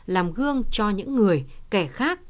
làm gương cho những người kẻ khác